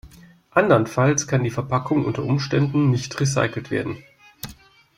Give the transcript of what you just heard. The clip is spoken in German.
Andernfalls kann die Verpackung unter Umständen nicht recycelt werden.